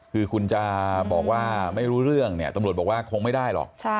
คือคุณจะบอกว่าไม่รู้เรื่องเนี่ยตำรวจบอกว่าคงไม่ได้หรอก